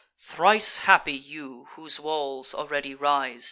"Thrice happy you, whose walls already rise!"